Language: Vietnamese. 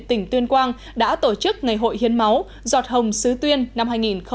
tỉnh tuyên quang đã tổ chức ngày hội hiến máu giọt hồng sứ tuyên năm hai nghìn một mươi chín